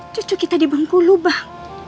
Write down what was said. cucu kita di bengkulu bang